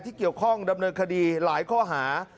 เกี่ยวข้องดำเนินคดีหลายข้อหา